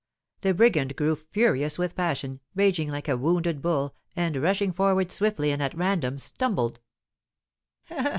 The brigand grew furious with passion, raging like a wounded bull, and, rushing forward swiftly and at random, stumbled.